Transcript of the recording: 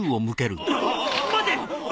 待て！